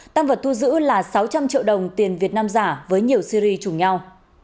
tăng vật thu giữ là sáu trăm linh triệu đồng tiền việt nam giả với nhiều series chùm nhau